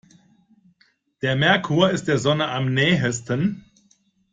Der Merkur ist der Sonne am nähesten.